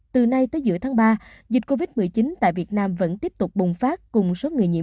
từ nay tới giữa tháng ba dịch covid một mươi chín tại việt nam vẫn tiếp tục bùng phát cùng số người nhiễm